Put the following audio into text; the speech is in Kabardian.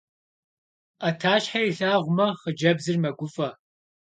Ӏэтащхьэ илъагъумэ, хъыджэбзыр мэгуфӀэ.